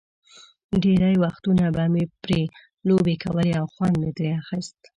ډېری وختونه به مې پرې لوبې کولې او خوند مې ترې اخیست.